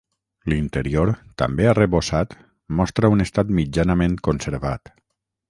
L'interior, també arrebossat, mostra un estat mitjanament conservat.